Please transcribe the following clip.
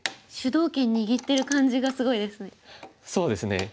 主導権握ってる感じがすごいですね。